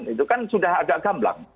itu kan sudah agak gamblang